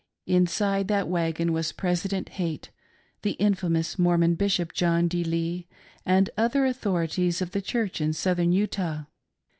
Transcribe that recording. Inside that wagon was President Haight, the infamous Mormon Bishop John D. Lee, and other authorities of the Church in Southern Utah.